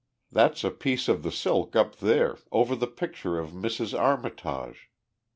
That's a piece of the silk up there, over the picture of Mrs. Armitage....